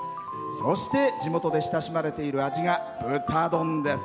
そして地元で親しまれている味が豚丼です。